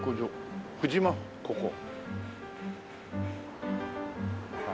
ここ。